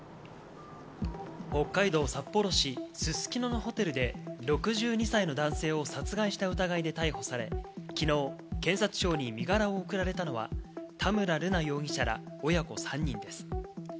北海道札幌市すすきののホテルで６２歳の男性を殺害した疑いで逮捕され、きのう検察庁に身柄を送られたのは田村瑠奈容疑者ら親子３人です。